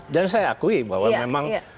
dan saya akui bahwa memang